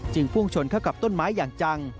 พุ่งชนเข้ากับต้นไม้อย่างจัง